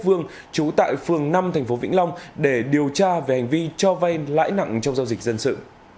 vương trú tại phường năm thành phố vĩnh long để điều tra về hành vi cho vay lãi nặng trong giao dịch dân sự